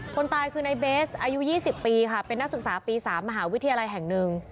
คนตายคือในเบสอายุ๒๐ปีค่ะเป็นนักศึกษาปี๓มหาวิทยาลัยแห่งหนึ่ง